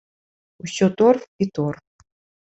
Усё торф і торф.